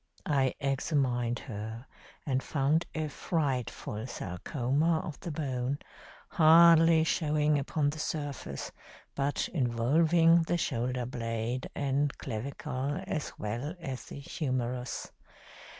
I examined her and found a frightful sarcoma of the bone, hardly showing upon the surface, but involving the shoulder blade and clavicle as well as the humerus.